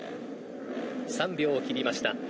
３秒を切りました。